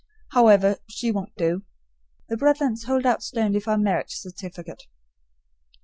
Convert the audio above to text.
However, she won't do. The Bretlands hold out sternly for a marriage certificate.